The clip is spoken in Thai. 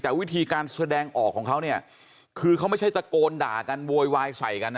แต่วิธีการแสดงออกของเขาเนี่ยคือเขาไม่ใช่ตะโกนด่ากันโวยวายใส่กันนะ